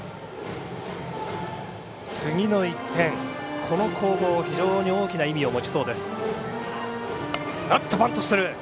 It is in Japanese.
次の１点、この攻防は非常に大きな意味を持ちそうです。